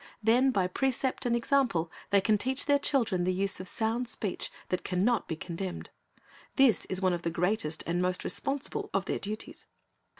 Then by precept and example they can teach their children the use of "sound speech, that can not be condemned."^ This is one of the greatest and most respon sible of their duties.